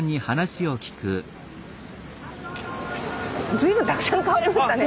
随分たくさん買われましたね。